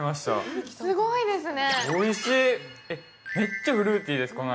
すごいですね。